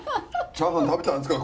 チャーハン食べたんですか？